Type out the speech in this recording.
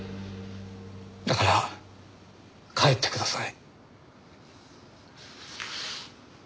だから帰ってください。